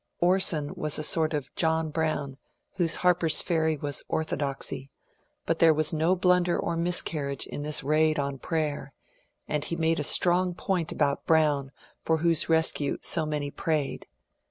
Orson was a sort of John Brown whose Harper's Ferry was Orthodoxy, but there was no blunder or miscarriage in this raid on Prayer; and he made a strong point about Brown, for whose rescue so many prayed.